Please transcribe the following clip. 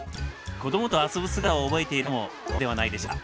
子どもたちと遊ぶ姿を覚えている方も多いのではないでしょうか